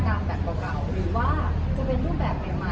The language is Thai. แบบเก่าหรือว่าจะเป็นรูปแบบใหม่